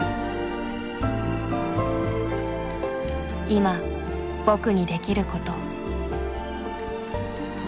いま僕にできること。